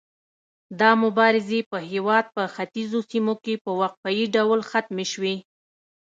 دا مبارزې په هیواد په ختیځو سیمو کې په وقفه يي ډول ختمې شوې.